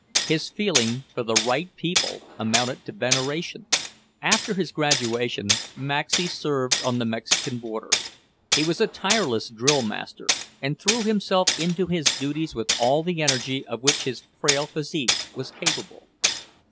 His feeling for the "right people" amounted to veneration. After his graduation, Maxey served on the Mexican Border. He was a tireless drill master, and threw himself into his duties with all the energy of which his frail physique was capable.